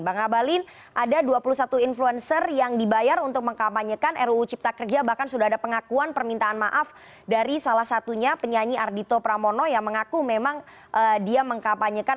bang abalin ada dua puluh satu influencer yang dibayar untuk mengkampanyekan ruu cipta kerja bahkan sudah ada pengakuan permintaan maaf dari salah satunya penyanyi ardhito pramono yang mengaku memang dia mengkapanyekan